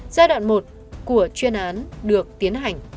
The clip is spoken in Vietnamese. giai đoạn một của chuyên án được tiến hành